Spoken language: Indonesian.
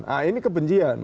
nah ini kebencian